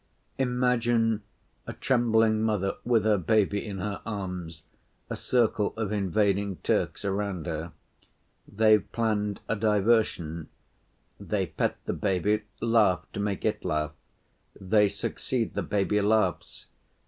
Imagine a trembling mother with her baby in her arms, a circle of invading Turks around her. They've planned a diversion: they pet the baby, laugh to make it laugh. They succeed, the baby laughs.